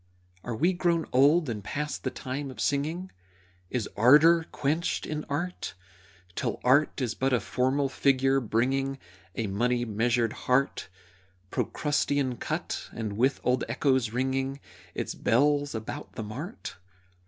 Are we grown old and past the time of singing? Is ardor quenched in art Till art is but a formal figure, bringing A money measured heart, Procrustean cut, and, with old echoes, ringing Its bells about the mart?